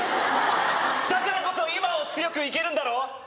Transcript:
だからこそ今を強く生きるんだろ